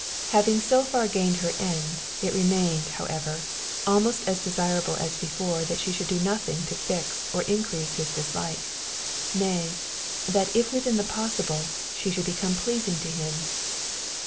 Having so far gained her end, it remained, however, almost as desirable as before that she should do nothing to fix or increase his dislike nay, that, if within the possible, she should become pleasing to him.